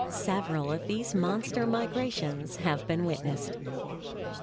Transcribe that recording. Several of these monster migrations have been witnessed.